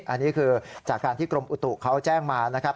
อันนี้คือจากการที่กรมอุตุเขาแจ้งมานะครับ